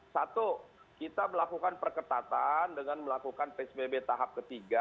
satu kita melakukan perketatan dengan melakukan psbb tahap ketiga